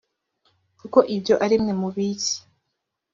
kuko ibyo ari mwe mubiza